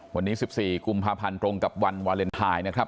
วันนี้๑๔กุมภาพันธ์ตรงกับวันวาเลนไทยนะครับ